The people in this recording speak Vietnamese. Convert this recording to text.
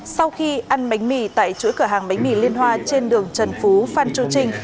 sau khi ăn bánh mì tại chuỗi cửa hàng bánh mì liên hoa trên đường trần phú phan chu trinh